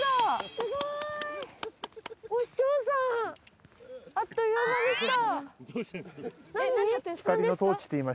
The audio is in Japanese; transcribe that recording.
すごい。推し匠さんあっという間でした。